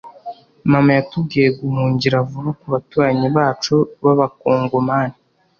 Mama yatubwiye guhungira vuba ku baturanyi bacu b’Abakongomani